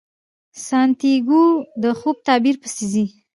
سانتیاګو د خوب تعبیر پسې ځي.